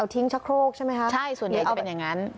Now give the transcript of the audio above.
ทิ้งชะโครกใช่ไหมคะใช่ส่วนใหญ่จะเป็นอย่างนั้น